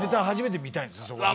初めて見たいんですね